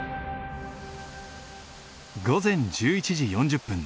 午前１１時４０分